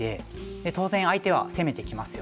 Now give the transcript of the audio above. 当然相手は攻めてきますよね。